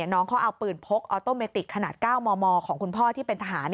น้องเขาเอาปืนพกออโตเมติกขนาด๙มมของคุณพ่อที่เป็นทหาร